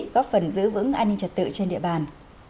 góp phần giữ vững an ninh trật tự trên địa bàn